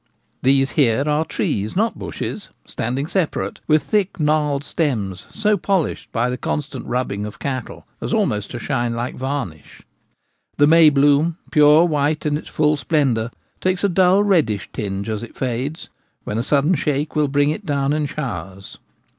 These here are trees, not bushes, standing separate, with thick gnarled stems so polished by the constant rubbing of cattle as almost to shine like varnish. The may bloom, pure white in its full splendour, takes a dull reddish tinge as it fades, when a sudden shake will bring it down in showers.